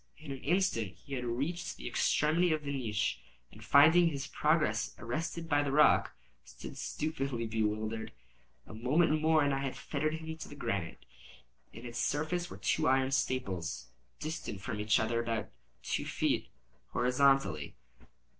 In an instant he had reached the extremity of the niche, and finding his progress arrested by the rock, stood stupidly bewildered. A moment more and I had fettered him to the granite. In its surface were two iron staples, distant from each other about two feet, horizontally.